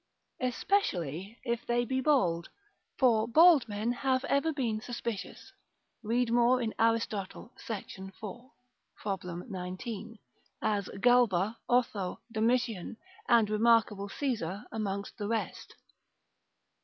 Especially if they be bald, for bald men have ever been suspicious (read more in Aristotle, Sect. 4. prob. 19.) as Galba, Otho, Domitian, and remarkable Caesar amongst the rest.